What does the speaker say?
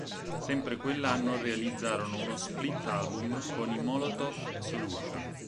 Sempre quell'anno realizzarono uno split album con i Molotov Solution.